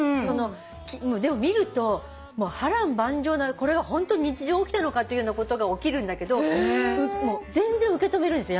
でも見るともう波瀾万丈なこれがホント日常起きたのかっていうようなことが起きるんだけど全然受け止めるんですよ